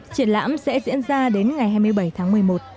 triển lãm sẽ diễn ra đến ngày hai mươi bảy tháng một mươi một